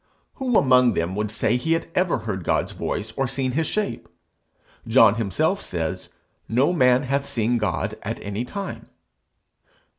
Who among them would say he had ever heard God's voice, or seen his shape? John himself says 'No man hath seen God at any time.'